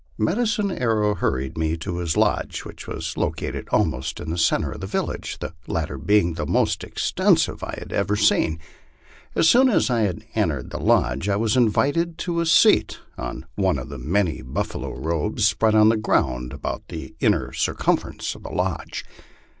Medicine Arrow hurried mo to his lodge, which was located almost in the centre of the village, the latter being the most extensive I had ever seen. As soon as I had entered the lodge I was invited to a seat on one of the many buffalo robes spread on the ground about the inner circumference of the lodge.